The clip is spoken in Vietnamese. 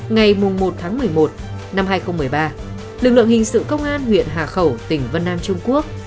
ngày một tháng một mươi một năm hai nghìn một mươi ba lực lượng hình sự công an huyện hà khẩu tỉnh vân nam trung quốc